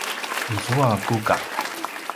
izua kuka